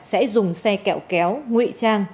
sẽ dùng xe kẹo kéo nguy trang